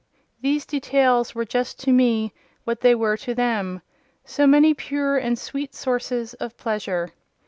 These details were just to me what they were to them—so many pure and sweet sources of pleasure.